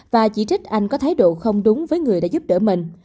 và chỉ trích anh có thái độ không đúng với người đã giúp đỡ mình